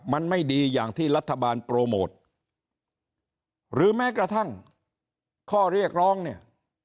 มันไม่ดีอย่างที่รัฐบาลโปรโมทหรือแม้กระทั่งข้อเรียกร้องเนี่ย